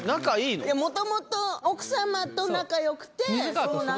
もともと奥様と仲良くてその流れで。